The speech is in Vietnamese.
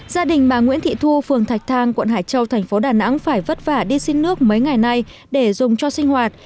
gia đình bà nguyễn thị thu phường thạch thang quận hải châu thành phố đà nẵng phải vất vả đi xin nước mấy ngày nay để dùng cho sinh hoạt